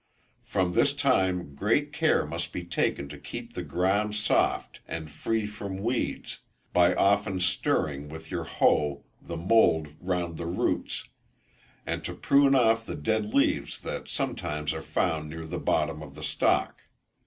From this time great care must be taken to keep the ground soft, and free from weeds, by often stirring with your hoe the mould round the roots; and to prune off the dead leaves that sometimes are found near the bottom of the stalk.